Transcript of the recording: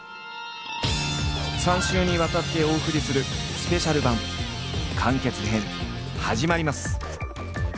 ３週にわたってお送りするスペシャル版完結編始まります。